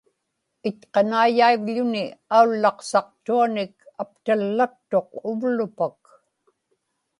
itqanaiyaivḷuni aullaqsaqtuanik aptallaktuq uvlupak